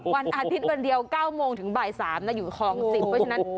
วันอาทิตย์วันเดียว๙โมงถึงบ่าย๓นะอยู่คลอง๑๐เพราะฉะนั้น